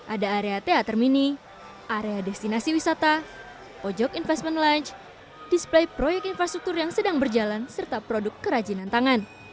ada area teater mini area destinasi wisata pojok investment lunch display proyek infrastruktur yang sedang berjalan serta produk kerajinan tangan